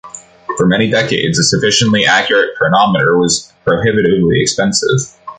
For many decades a sufficiently accurate chronometer was prohibitively expensive.